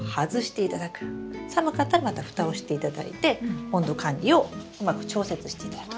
寒かったらまたふたをしていただいて温度管理をうまく調節していただく。